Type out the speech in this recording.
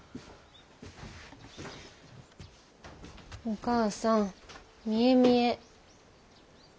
お母さん見え見え。